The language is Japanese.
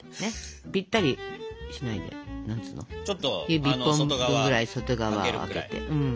指１本分ぐらい外側空けて。